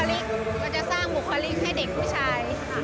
เราจะสร้างบุคลิกให้เด็กผู้ชาย